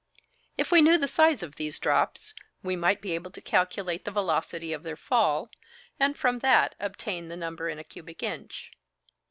If we knew the size of these drops, we might be able to calculate the velocity of their fall, and from that obtain the number in a cubic inch.